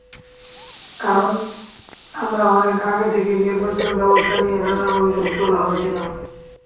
কারণ, আমরা অনেক আগে থেকে নির্বাচনব্যবস্থা নিয়ে নানা অভিযোগ তোলা হয়েছিল।